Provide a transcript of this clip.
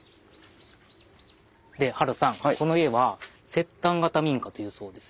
でハルさんこの家は摂丹型民家というそうですよ。